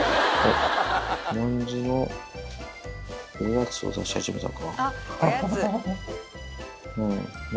ニャンズのおやつを出し始めたか。